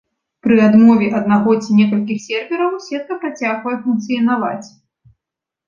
Пры адмове аднаго ці некалькіх сервераў, сетка працягвае функцыянаваць.